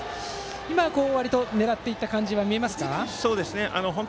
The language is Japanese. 今、わりと狙っていった感じは見えましたかね。